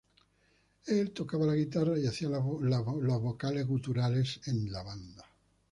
Él tocaba la guitarra y hacía los vocales guturales en la banda.